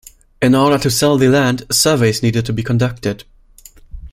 In order to sell the land, surveys needed to be conducted.